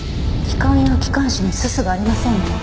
気管や気管支にすすがありませんね。